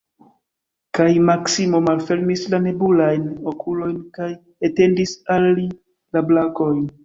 Kaj Maksimo malfermis la nebulajn okulojn kaj etendis al li la brakojn.